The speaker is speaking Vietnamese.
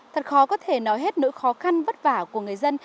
thật khó có thể nói hết nỗi khó khăn vất vả của người dân